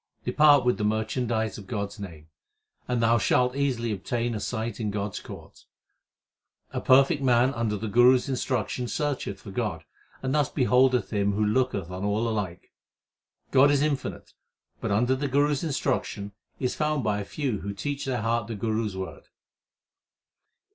Depart with the merchandise of God s name, And thou shalt easily obtain a sight of God s court. A perfect man under the Guru s instruction searcheth for God, and thus beholdeth Him who looketh on all alike. God is infinite, but under the Guru s instruction is found by a few Who teach their hearts the Guru s word.